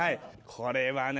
これはね